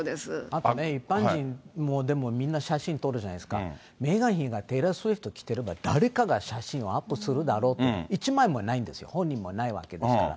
あとね、一般人も、でもみんな写真撮るじゃないですか、メーガン妃がテイラー・スウィフト来てれば、誰かが写真をアップするだろうと、一枚もないんですよ、本人もないわけですから。